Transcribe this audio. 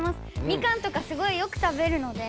みかんとかすごいよく食べるので。